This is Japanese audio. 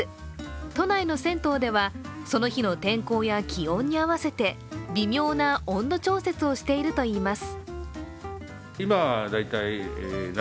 都内の銭湯では、その日の天候や気温に合わせて微妙な温度調節をしているといいます。